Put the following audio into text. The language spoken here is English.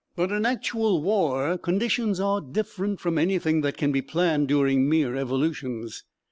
"But, in actual war, conditions are different from anything that can be planned during mere evolutions.